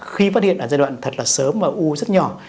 khi phát hiện ở giai đoạn thật là sớm và u rất nhỏ